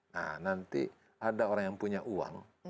nah nanti ada orang yang punya uang